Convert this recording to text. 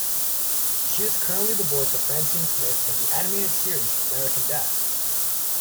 She is currently the voice of Francine Smith in the animated series American Dad!